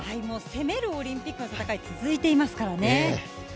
もう攻めるオリンピックの戦い、続いていますからね。